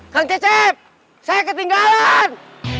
kang cecep saya ketinggalan